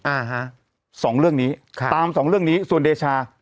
อ่าฮะสองเรื่องนี้ค่ะตามสองเรื่องนี้ส่วนเดชา